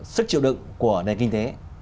sức chịu đựng của đền kinh tế